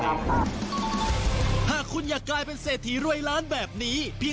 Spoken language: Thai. กลับเข้าสู่ช่วงบานแดกช่วยคนไทยสร้างอาชีพปี๒